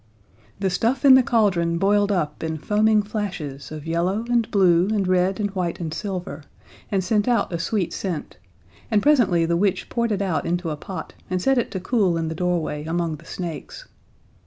The stuff in the cauldron boiled up in foaming flashes of yellow and blue and red and white and silver, and sent out a sweet scent, and presently the witch poured it out into a pot and set it to cool in the doorway among the snakes.